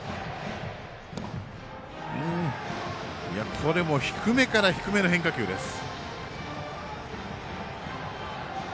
ここでも低めから低めの変化球です。